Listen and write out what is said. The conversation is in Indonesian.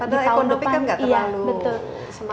padahal ekonomi kan gak terlalu semangat